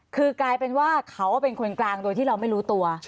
คือกลายเป็นว่าเขาเป็นคนกลางโดยที่เราไม่รู้ตัว